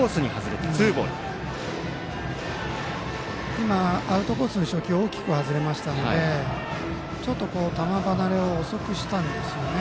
今、アウトコースに初球大きく外れましたのでちょっと球離れを遅くしたんですね。